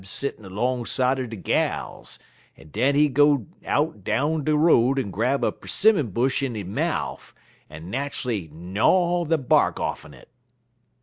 settin' 'longside er de gals, en den he'd go out down de road en grab a 'simmon bush in he mouf, en nat'ally gnyaw de bark off'n it.